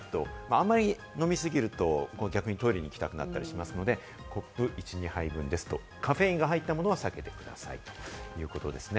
あまり飲み過ぎると、逆にトイレに行きたくなったりしますので、コップ１２杯分ですと、カフェインが入ったものは避けてくださいということですね。